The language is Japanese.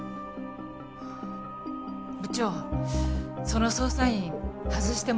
部長その捜査員外してもらえませんか？